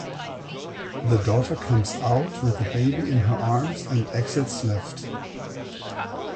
The daughter comes out with the baby in her arms and exits left.